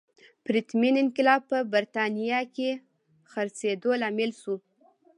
پرتمین انقلاب په برېټانیا کې د څرخېدو لامل شو.